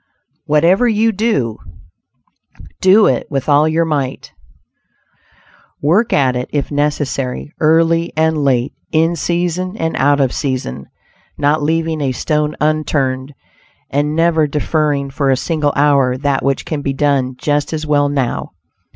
WHATEVER YOU DO, DO IT WITH ALL YOUR MIGHT Work at it, if necessary, early and late, in season and out of season, not leaving a stone unturned, and never deferring for a single hour that which can be done just as well now.